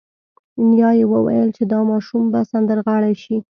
نیا یې وویل چې دا ماشوم به سندرغاړی شي